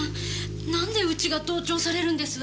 なんでうちが盗聴されるんです？